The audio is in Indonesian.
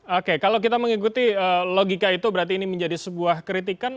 oke kalau kita mengikuti logika itu berarti ini menjadi sebuah kritikan